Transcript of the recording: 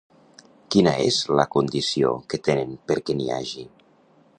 Quina és la condició que tenen perquè n'hi hagi?